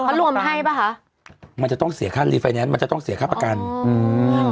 เขารวมให้ป่ะคะมันจะต้องเสียค่ารีไฟแนนซ์มันจะต้องเสียค่าประกันอืม